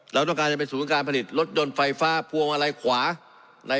เราต้องการจะไปสู่การผลิตรถยนต์ไฟฟ้าผัวมลัยขวาใน